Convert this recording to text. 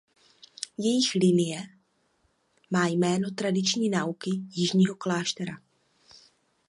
Jejich linie má jméno Tradiční nauky jižního kláštera.